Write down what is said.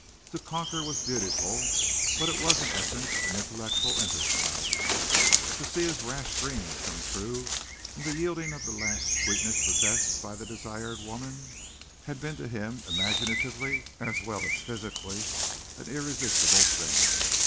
To conquer was beautiful: but it was in essence an intellectual enterprise. To see his rash dreams come true in the yielding of the last sweetness possessed by the desired woman, had been to him imaginatively as well as physically an irresistible thing.